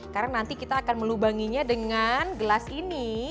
karena nanti kita akan melubanginya dengan gelas ini